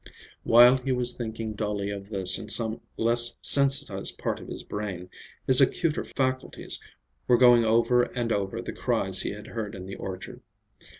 While he was thinking dully of this in some less sensitized part of his brain, his acuter faculties were going over and over the cries he had heard in the orchard.